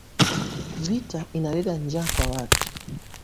Vita inaleta njaa kwa watu